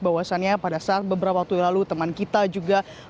bawasannya pada saat beberapa waktu lalu teman kita juga